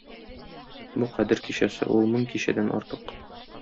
Бу Кадер кичәсе, ул мең кичәдән артык.